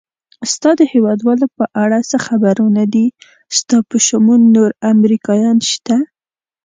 ستا د هېوادوالو په اړه څه خبرونه دي؟ ستا په شمول نور امریکایان شته؟